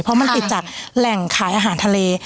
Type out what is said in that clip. เพราะมันติดจากแหล่งขายอาหารทะเล